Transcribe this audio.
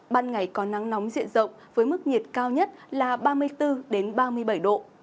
ban ngày có nắng nóng diện rộng với mức nhiệt cao nhất là ba mươi bốn ba mươi bảy độ